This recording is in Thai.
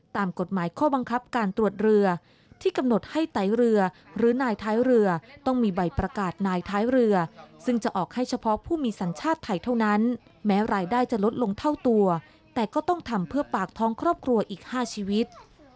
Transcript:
ตามกฎหมายข้อบังคับการตรวจเรือที่กำหนดให้ไตเรือหรือนายท้ายเรือต้องมีใบประกาศนายท้ายเรือซึ่งจะออกให้เฉพาะผู้มีสัญชาติไทยเท่านั้นแม้รายได้จะลดลงเท่าตัวแต่ก็ต้องทำเพื่อปากท้องครอบครัวอีก๕ชีวิต